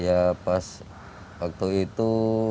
ya pas waktu itu